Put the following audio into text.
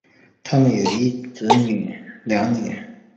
他们有一子两女。